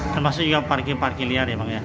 termasuk juga parkir parkir liar ya bang ya